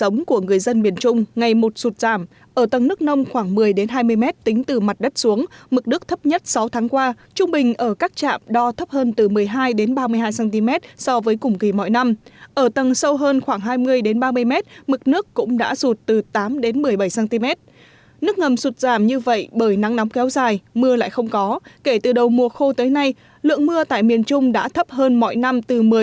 nguồn nước ngầm phục vụ cho đời sống của người dân miền trung ngày một sụt giảm